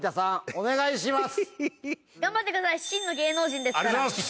お願いします。